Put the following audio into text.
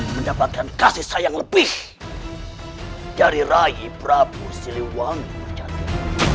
ingin mendapatkan kasih sayang lebih dari raih prabu siliwangi burjadil